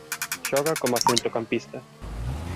Xoga coma centrocampista.